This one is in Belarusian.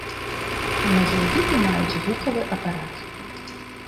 Многія віды маюць гукавы апарат.